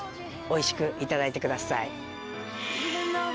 おいしくいただいてください。